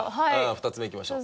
２つ目いきましょう。